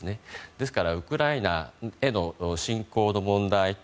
ですからウクライナへの侵攻の問題と